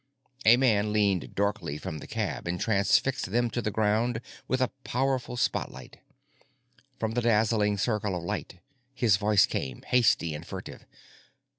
A man leaned darkly from the cab and transfixed them to the ground with a powerful spotlight. From the dazzling circle of light his voice came, hasty and furtive.